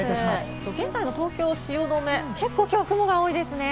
現在の東京・汐留、今日は雲が多いですね。